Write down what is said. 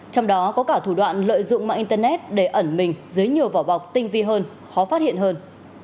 trong đó có cả thủ đoạn lợi dụng mạng internet để ẩn mình dưới nhiều vỏ bọc tinh vi hơn khó phát hiện hơn